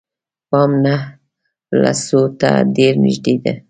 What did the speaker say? پام نهه لسو ته ډېر نژدې دي.